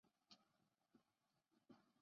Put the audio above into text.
某些新闻报道表示贝克曾试图贿选。